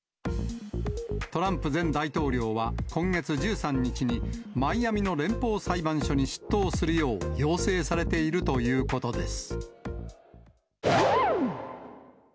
トランプ前大統領は今月１３日にマイアミの連邦裁判所に出頭するよう要請されているということです。